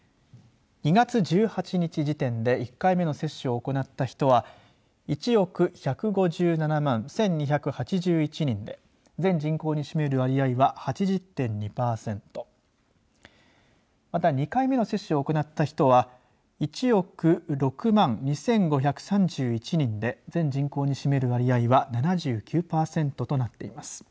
２月１８日時点で１回目の接種を行った人は１億１５７万１２８１人で全人口に占める割合は８０．２パーセントまた２回目の接種を行った人は１億６万２５３１人で全人口に占める割合は７９パーセントとなっています。